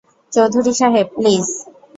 চৌধুরী সাহেব, প্লিজ।